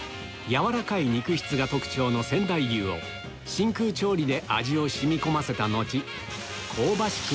軟らかい肉質が特徴の仙台牛を真空調理で味を染み込ませた後香ばしく